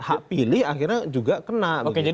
hak pilih akhirnya juga kena